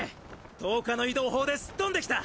透過の移動法ですっ飛んできた！